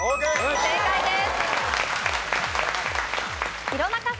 正解です。